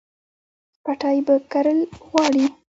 پټی به کرل غواړي